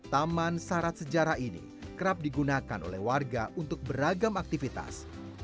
taman syarat sejarah ini kerap digunakan oleh warga untuk beragam aktivitas